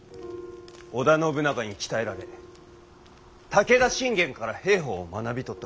織田信長に鍛えられ武田信玄から兵法を学び取ったからじゃ。